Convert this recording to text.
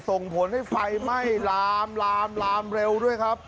ส่งผลให้ไฟไหม้ลามลามลามเร็วด้วยครับ